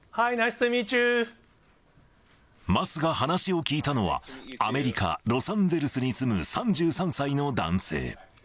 桝が話を聞いたのは、アメリカ・ロサンゼルスに住む３３歳の男性。